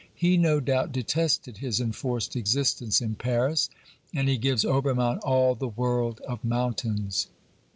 He no doubt detested his enforced existence in Paris, and he gives Obermann all the world of mountains.